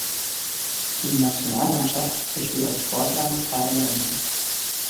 Die Nationalmannschaft besteht aus Sportlern beider Länder.